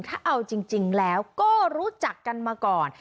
ถ้าเอาจริงแล้วก็รู้จักกันมาก่อน